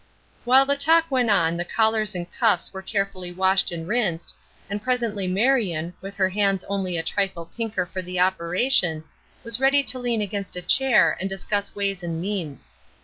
While the talk went on the collars and cuffs were carefully washed and rinsed, and presently Marion, with her hands only a trifle pinker for the operation, was ready to lean against a chair and discuss ways and means.